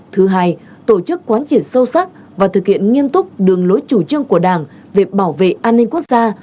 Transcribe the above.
thứ hai tổ chức quán triển sâu sắc và thực hiện nghiêm túc đường lối chủ trương của đảng về bảo vệ an ninh quốc gia